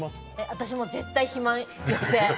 私は絶対、肥満抑制。